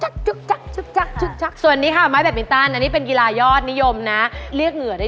ตรงชนะนะพี่ยอมอย่างงี้ตรงชนะเลยนะ